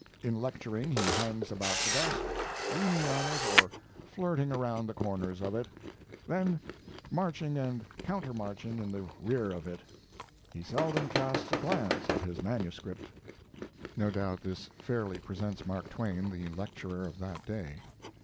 In lecturing he hangs about the desk, leaning on it or flirting around the corners of it, then marching and countermarching in the rear of it. He seldom casts a glance at his manuscript. No doubt this fairly presents Mark Twain, the lecturer of that day.